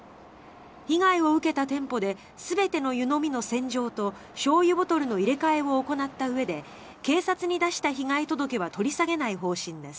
被害を受けた店舗で全ての湯飲みの洗浄としょうゆボトルの入れ替えを行ったうえで警察に出した被害届は取り下げない方針です。